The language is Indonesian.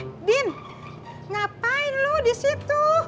hai din ngapain lu disitu